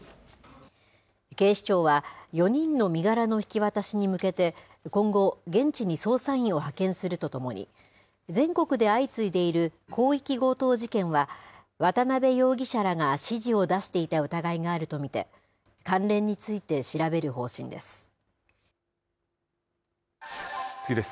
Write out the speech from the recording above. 警視庁は、４人の身柄の引き渡しに向けて、今後、現地に捜査員を派遣するとともに、全国で相次いでいる広域強盗事件は、渡邉容疑者らが指示を出していた疑いがあると見て、関連について調べる方針です。